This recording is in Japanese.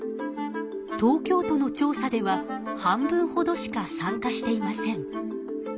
東京都の調査では半分ほどしか参加していません。